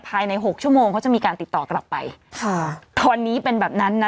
หกชั่วโมงเขาจะมีการติดต่อกลับไปค่ะตอนนี้เป็นแบบนั้นนะ